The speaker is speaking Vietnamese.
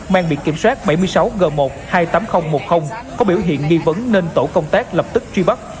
mang biệt kiểm soát bảy mươi sáu g một hai mươi tám nghìn một mươi có biểu hiện nghi vấn nên tổ công tác lập tức truy bắt